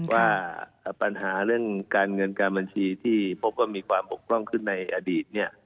ว่าปัญหาเรื่องการเงินการบัญชีที่พบว่ามีความบกพร่องขึ้นในอดีตเนี่ย